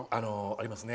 ありますね。